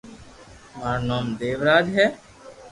مارو نوم ديوراج ھئ